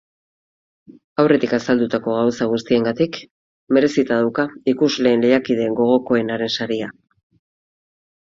Aurretik azaldutako gauza guztiengatik, merezita dauka ikusleen lehiakide gogokoenaren saria.